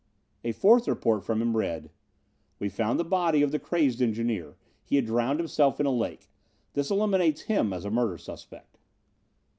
A fourth report from him read: "We found the body of the crazed engineer. He had drowned himself in a lake. This eliminates him as a murder suspect."